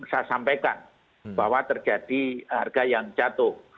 saya sampaikan bahwa terjadi harga yang jatuh